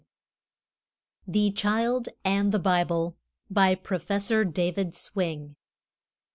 The Child and the Bible. BY PROF. DAVID SWING.